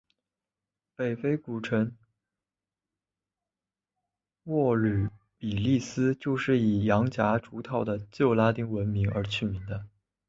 北非古城沃吕比利斯就是以洋夹竹桃的旧拉丁文名而取名的。